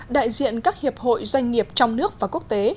đại diện các hiệp hội doanh nghiệp trong nước và quốc tế